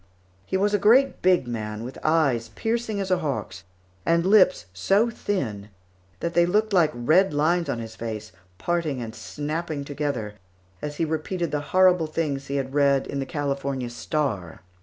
He was a great big man with eyes piercing as a hawk's, and lips so thin that they looked like red lines on his face, parting and snapping together as he repeated the horrible things he had read in _The California Star.